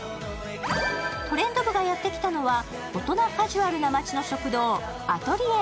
トレンド部がやってきたのは、大人カジュアルな街の食堂ＡＴＥＬＩＥＲＬＡＬＡ。